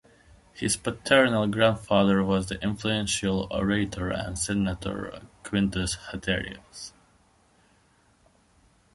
His paternal grandfather was the influential orator and senator Quintus Haterius.